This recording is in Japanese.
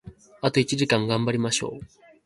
あと一時間、頑張りましょう！